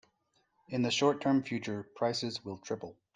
In the short term future, prices will triple.